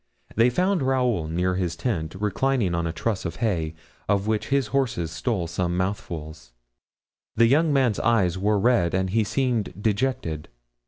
They found Raoul near his tent, reclining on a truss of hay, of which his horse stole some mouthfuls; the young man's eyes were red and he seemed dejected.